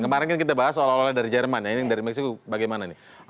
kemarin kita bahas oleh oleh dari jerman ya ini dari meksiko bagaimana nih